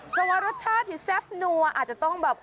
เพราะว่ารสชาติที่แซ่บนัวอาจจะต้องแบบ